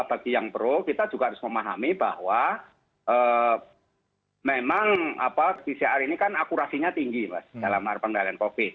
bagi yang pro kita juga harus memahami bahwa memang pcr ini kan akurasinya tinggi mas dalam hal pengendalian covid